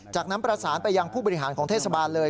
จากนั้นประสานไปยังผู้บริหารของเทศบาลเลย